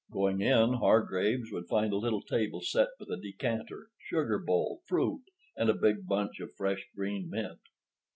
Going in, Hargraves would find a little table set with a decanter, sugar bowl, fruit, and a big bunch of fresh green mint.